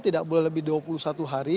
tidak boleh lebih dua puluh satu hari